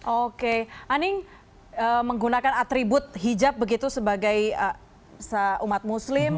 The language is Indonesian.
oke aning menggunakan atribut hijab begitu sebagai seumat muslim